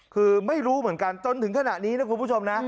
คือไม่รู้เหมือนกันจนถึงขณะนี้นะคุณผู้ชมนะ